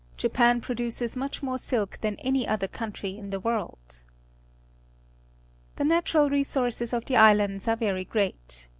Japan produces much more gilk than any other country in the world. The natural resources of the islands are very great.